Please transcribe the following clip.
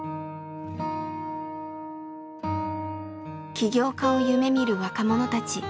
起業家を夢みる若者たち。